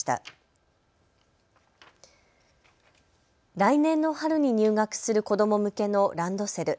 来年の春に入学する子ども向けのランドセル。